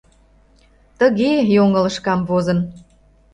«Тыге, йоҥылыш камвозын».